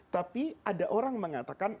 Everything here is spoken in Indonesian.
tapi ada orang mengatakan